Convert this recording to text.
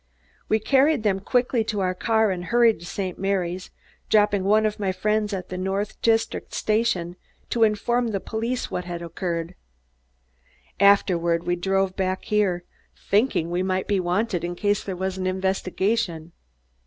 We carried them quickly to our car and hurried to St. Mary's, dropping one of my friends at the North District Station to inform the police what had occurred. Afterward we drove back here, thinking we might be wanted in case there was an investigation."